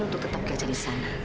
untuk tetap gajah di sana